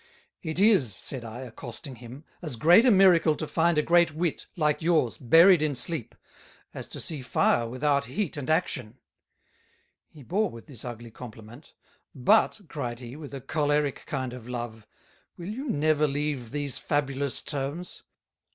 "It is," said I, accosting him, "as great a Miracle to find a great Wit, like yours, buried in Sleep, as to see Fire without Heat and Action:" He bore with this ugly Compliment; "but," (cryed he, with a Cholerick kind of Love) "will you never leave these Fabulous Terms?